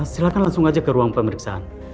silahkan langsung aja ke ruang pemeriksaan